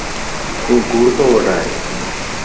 تون ڪوڙ تو وڊائين